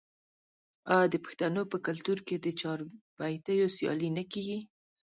آیا د پښتنو په کلتور کې د چاربیتیو سیالي نه کیږي؟